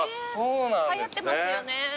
はやってますよね。